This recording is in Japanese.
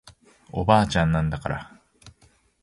おばあちゃんなんだから